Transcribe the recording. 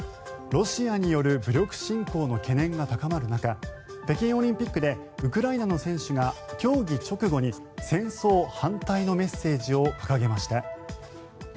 ロシアによる武力侵攻の懸念が高まる中北京オリンピックでウクライナの選手が競技直後に戦争反対のメッセージを掲げました。